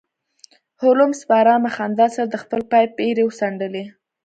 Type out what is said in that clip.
هولمز په ارامه خندا سره د خپل پایپ ایرې وڅنډلې